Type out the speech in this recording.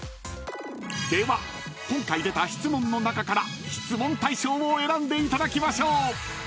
［では今回出た質問の中から質問大賞を選んでいただきましょう］